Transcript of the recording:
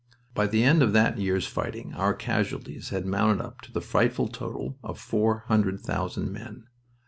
By the end of that year's fighting our casualties had mounted up to the frightful total of four hundred thousand men.